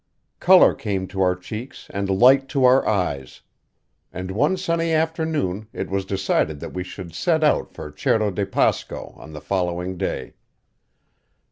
Color came to our cheeks and light to our eyes; and one sunny afternoon it was decided that we should set out for Cerro de Pasco on the following day.